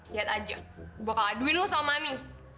lihat aja gua bakal aduin lu sama mami